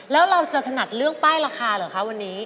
แล้วเราจะถนัดเรื่องป้ายราคาเหรอคะวันนี้